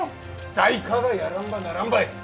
誰かがやらんばならんばい。